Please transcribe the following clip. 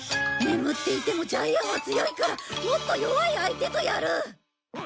眠っていてもジャイアンは強いからもっと弱い相手とやる！